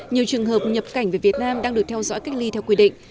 nhiều trường hợp nhập cảnh về việt nam đang được theo dõi cách ly theo quy định